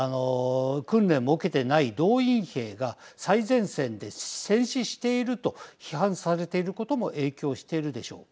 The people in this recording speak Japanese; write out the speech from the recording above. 訓練も受けていない動員兵が最前線で戦死していると批判されていることも影響しているでしょう。